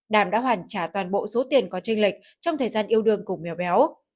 đàm đã hoàn trả toàn bộ số tiền có tranh lịch trong thời gian yêu đương cùng mèo béo